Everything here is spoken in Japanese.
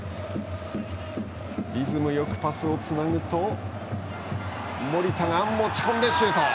リズムよくパスをつなぐと守田が持ち込んでシュート。